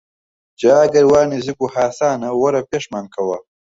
جا ئەگەر وا نزیک و هاسانە وەرە پێشمان کەوە!